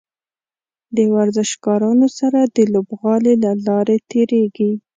د ورزشکارانو سره د لوبغالي له لارې تیریږي.